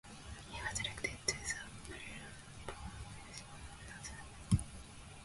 He was elected to the Maryland provincial assembly.